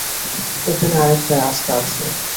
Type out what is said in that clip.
এখানে আরেকটা রাস্তা আছে।